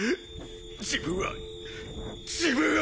自分は自分は！